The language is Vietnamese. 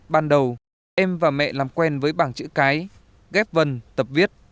ban đầu em và mẹ làm quen với bảng chữ cái ghép vần tập viết